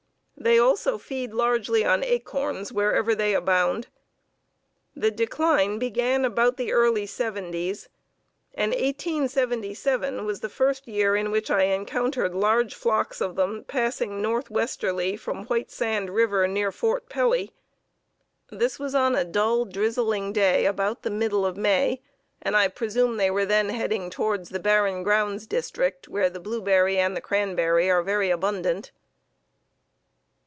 They also feed largely on acorns wherever they abound. The decline began about the early seventies, and 1877 was the first year in which I encountered large flocks of them passing northwesterly from White Sand River near Fort Pelly. This was on a dull, drizzling day about the middle of May, and I presume they were then heading towards the Barren Grounds district, where the blueberry and the cranberry are very abundant."